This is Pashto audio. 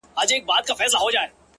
مي تاته شعر ليكه;